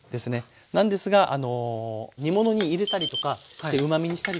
なんですが煮物に入れたりとかしてうまみにしたりとか。